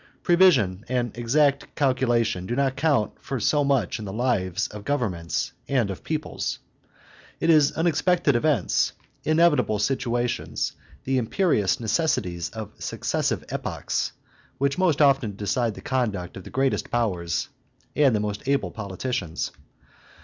Prevision and exact calculation do not count for so much in the lives of governments and of peoples. It is unexpected events, inevitable situations, the imperious necessities of successive epochs, which most often decide the conduct of the greatest powers and the most able politicians.